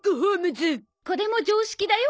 これも常識だよ